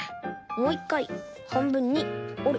もう１かいはんぶんにおる。